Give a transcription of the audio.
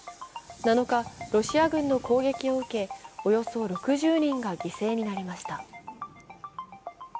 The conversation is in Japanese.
７日、ロシア軍の攻撃を受け、およそ６０人が犠牲になりました。